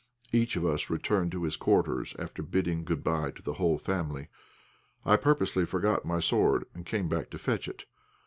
Each of us returned to his quarters after bidding good bye to the whole family. I purposely forgot my sword, and came back to fetch it.